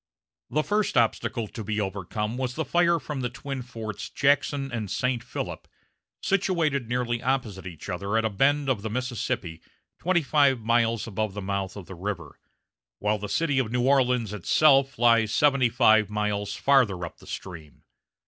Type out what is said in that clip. The first obstacle to be overcome was the fire from the twin forts Jackson and St. Philip, situated nearly opposite each other at a bend of the Mississippi twenty five miles above the mouth of the river, while the city of New Orleans itself lies seventy five miles farther up the stream.